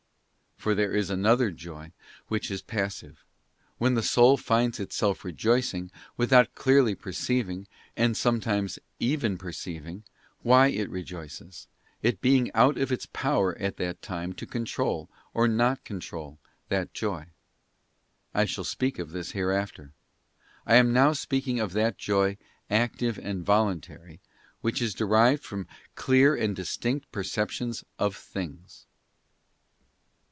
For there is another joy, which is passive: when the soul finds itself rejoicing, without clearly perceiving—and sometimes even perceiving —why it rejoices, it being out of its power at that time to control, or not control, that joy. I shall speak of this hereafter. I am now speaking of that joy, active and voluntary, which is derived from clear and distinct perceptions of things.